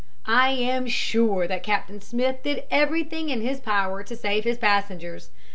"I am sure that Captain Smith did everything in his power to save his passengers.